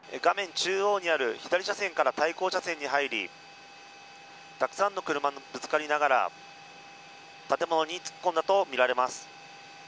中央にある左車線から対向車線に入りたくさんの車とぶつかりながら建物に突っ込んだとみられます。